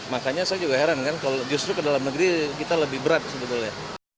makanya saya juga heran kan kalau justru ke dalam negeri kita lebih berat sebetulnya